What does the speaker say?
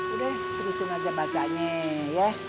udah terusin aja bacanya ya